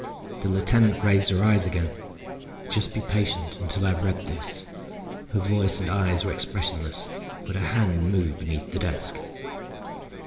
The lieutenant raised her eyes again. "Just be patient until I've read this." Her voice and eyes were expressionless, but her hand moved beneath the desk.